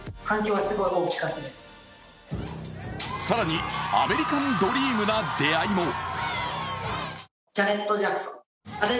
更に、アメリカンドリームな出会いも。